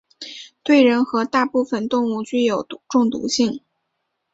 对人和大部分动物具中毒性。